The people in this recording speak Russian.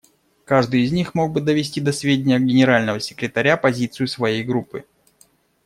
Каждый из них мог бы довести до сведения Генерального секретаря позицию своей группы.